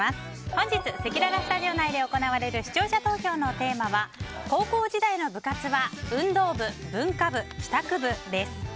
本日せきららスタジオ内で行われる視聴者投票のテーマは高校時代の部活は運動部・文化部・帰宅部です。